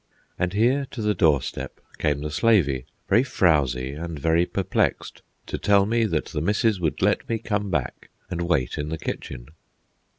And here to the doorstep came the "slavey," very frowzy and very perplexed, to tell me that the missus would let me come back and wait in the kitchen.